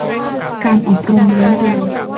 การอบรมเลี้ยงดู